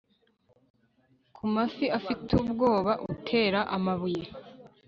ku mafi afite ubwoba utera amabuye